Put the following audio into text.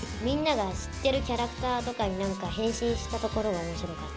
みんなが知ってるキャラクターとかに何か変身したところが面白かったです。